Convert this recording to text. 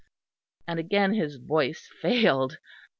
and again his voice failed.